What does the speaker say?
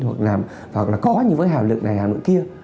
hoặc là có như với hàm lượng này hàm lượng kia